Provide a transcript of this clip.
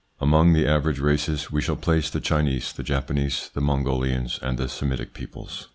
Among the average races, we shall place the Chinese, the Japanese, the Mongolians, and the Semitic peoples.